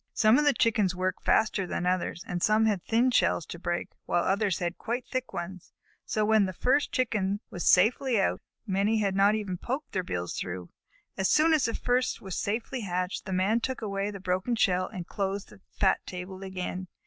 Some of the Chickens worked faster than others, and some had thin shells to break, while others had quite thick ones, so when the first Chicken was safely out many had not even poked their bills through. As soon as the first was safely hatched, the Man took away the broken shell and closed the fat table again.